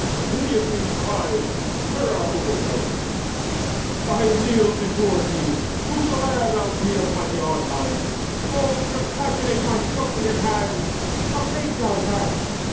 Piteously cried he, terror overwhelmed: "I kneel before thee, whosoe'er thou be Of mighty Argives. Oh compassionate My suppliant hands! Abate thy wrath!